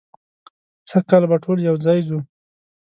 سږ کال به ټول یو ځای ځو.